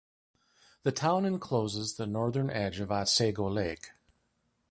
The town encloses the northern end of Otsego Lake.